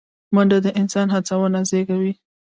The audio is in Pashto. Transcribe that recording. منډه د انسان هڅونه زیږوي